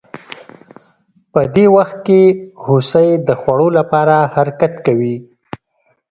په دې وخت کې هوسۍ د خوړو لپاره حرکت کوي